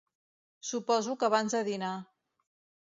Suposo que abans de dinar.